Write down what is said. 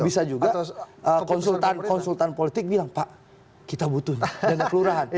bisa juga konsultan politik bilang pak kita butuh dana kelurahan